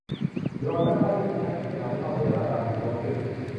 โดรนนักล่าที่ติดตั้งขีปนาวุธล่องเรือหลายลำถูกยกขึ้น